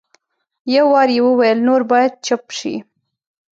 یو وار یې وویل نور باید چپ شئ.